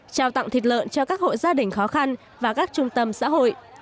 trao tặng thịt lợn cho các hộ gia đình khó khăn và các trung tâm xã hội